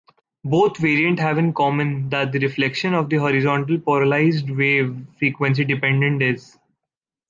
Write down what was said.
Both variants have in common that the reflection of the horizontal polarized wave frequency dependent is.